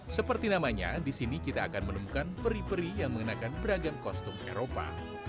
seperti namanya di sini kita akan menemukan peri peri yang mengenakan beragam kostum eropa